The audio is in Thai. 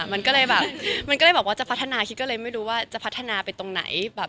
มันก็เลยแบบว่าจะพัฒนาคิดก็เลยไม่รู้ว่าจะพัฒนาไปตรงไหน